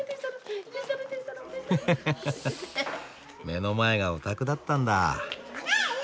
目の前がお宅だったんだ。